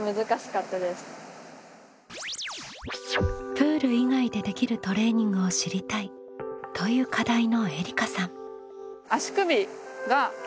「プール以外でできるトレーニングを知りたい」という課題のえりかさん。